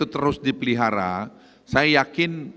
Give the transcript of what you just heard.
terus dipelihara saya yakin